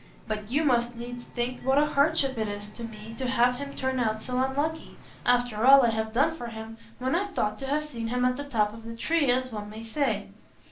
But you must needs think what a hardship it is to me to have him turn out so unlucky, after all I have done for him, when I thought to have seen him at the top of the tree, as one may say!"